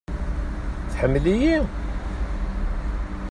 Tḥemmel-iyi?